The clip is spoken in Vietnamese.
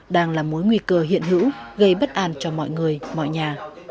đang là mối nguy cơ hiện hữu gây bất an cho mọi người mọi nhà